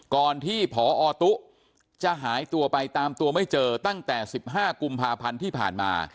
ก่อนที่พอตุ๊จะหายตัวไปตามตัวไม่เจอตั้งแต่๑๕กุมภาพันธ์ที่ผ่านมา